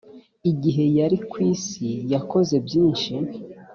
igihe yari ku isi yakoze byinshi